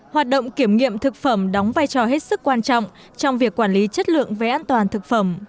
hoạt động kiểm nghiệm thực phẩm đóng vai trò hết sức quan trọng trong việc quản lý chất lượng về an toàn thực phẩm